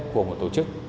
của một tổ chức